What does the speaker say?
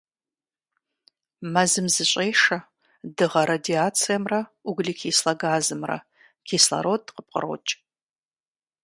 Мэзым зыщӀешэ дыгъэ радиацэмрэ углекислэ газымрэ, кислород къыпкърокӀ.